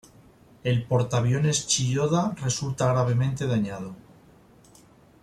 El portaviones Chiyoda resulta gravemente dañado.